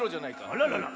あららら。